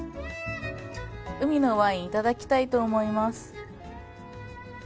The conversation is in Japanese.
海のワインいただきたいと思います。